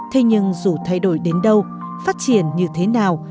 thế nhưng dù thay đổi đến đâu phát triển như thế nào